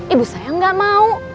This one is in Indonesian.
ibu saya gak mau